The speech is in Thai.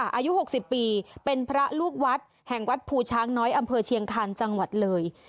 อายุ๖๐ปีเป็นพระลูกวัดแห่งวัดภูช้างน้อยอำเภอเชียงคันจังหวัดเลย